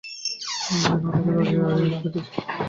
যেন অনেকে দরজায় আড়ি পেতেছে।